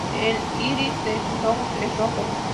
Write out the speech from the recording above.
El iris de sus ojos es rojo.